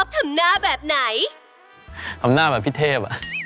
ทำหน้าแบบพี่เทพ